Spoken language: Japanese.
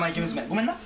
ごめんな。